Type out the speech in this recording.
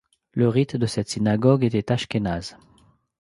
Le rite de cette synagogue était ashkénaze.